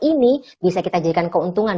ini bisa kita jadikan keuntungan